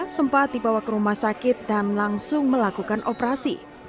ibu yang terluka parah sempat dibawah ke rumah sakit dan langsung melakukan operasi